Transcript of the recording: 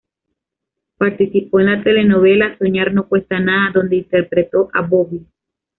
Participó en la telenovela "Soñar no cuesta nada" donde interpretó a "Bobby".